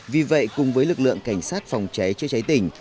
vì vậy cùng với lực lượng cảnh sát phòng cháy chữa cháy tỉnh